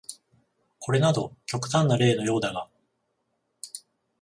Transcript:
これなど極端な例のようだが、